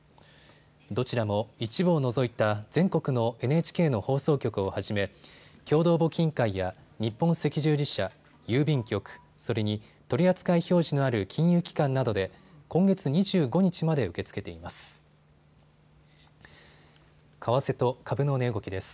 どちらも一部を除いた全国のＮＨＫの放送局をはじめ共同募金会や日本赤十字社、郵便局、それに取り扱い標示のある金融機関などで今月２５日まで受け付けています。